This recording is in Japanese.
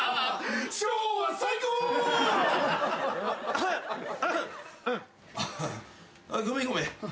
あっごめんごめん。